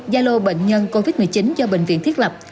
yalo bệnh nhân covid một mươi chín do bệnh viện thiết lập